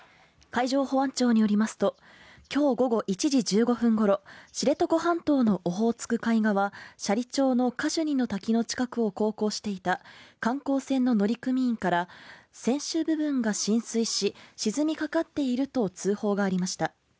海上保安庁によりますと、今日午後１時１５分ごろ、知床半島のオホーツク海側斜里町のカシュニの滝の近くを航行していた観光船の乗組員から、船首部分が浸水し、沈みかかっていると通報がありました。